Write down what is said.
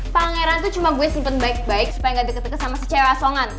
pangeran tuh cuma gue simpen baik baik supaya gak diketekan sama si cewek asongan